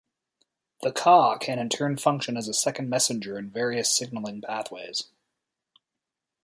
The Ca can in turn function as a second messenger in various signaling pathways.